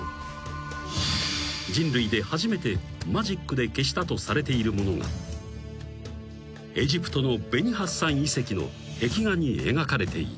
［人類で初めてマジックで消したとされているものがエジプトのベニ・ハッサン遺跡の壁画に描かれていた］